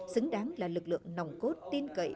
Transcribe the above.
xứng đáng là lực lượng nòng cốt tin cậy